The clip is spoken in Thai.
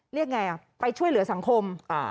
เรียกอย่างไรไปช่วยเหลือสังคม